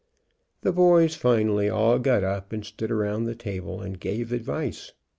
The boys finally all got up and stood around the table, and gave advice.